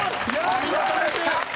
［お見事でした！］